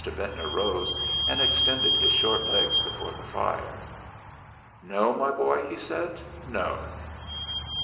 Ventnor rose and extended his short legs before the fire. "No, my boy," he said. "No!"